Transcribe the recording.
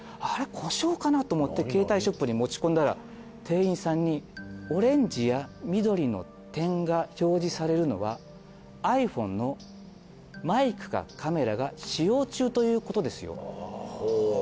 故障かなと思ってケータイショップに持ち込んだら店員さんにオレンジや緑の点が表示されるのはｉＰｈｏｎｅのマイクかカメラが使用中ということですよ。